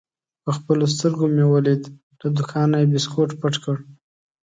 په خپلو سترګو مې ولید: له دوکانه یې بیسکویټ پټ کړل.